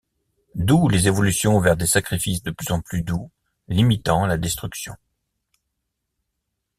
D'où les évolutions vers des sacrifices de plus en plus doux, limitant la destruction.